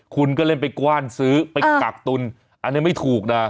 คุณก็เล่นไปกว้านซื้อไปกักตุนอันนี้ไม่ถูกนะ